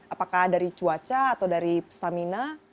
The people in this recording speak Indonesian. apakah dari cuaca atau dari stamina